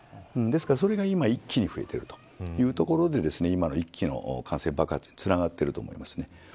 ですからそれが今一気に増えているというところで今の一気の感染爆発につながってると思います。